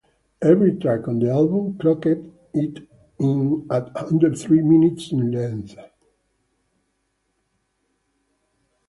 Every track on the album clocked in at under three minutes in length.